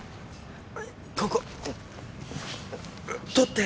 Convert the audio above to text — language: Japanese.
ここ撮って。